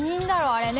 あれね。